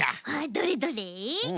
どれどれ？